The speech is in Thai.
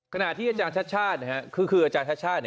ขณะที่อาจารย์ชาติชาติคืออาจารย์ชาติชาติ